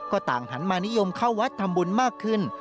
ก็ต่างหันมานิยมเข้าวัดทำบุญมากขึ้น